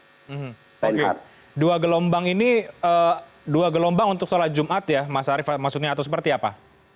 hmm oke dua gelombang ini dua gelombang untuk sholat jumat ya mas arief maksudnya atau seperti apa